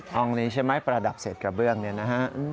ห้องนี้ใช่ไหมประดับเศษกระเบื้องเนี่ยนะฮะ